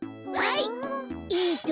はい！